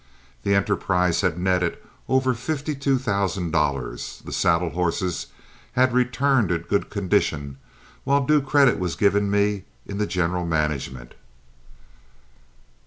The enterprise had netted over fifty two thousand dollars, the saddle horses had returned in good condition, while due credit was given me in the general management.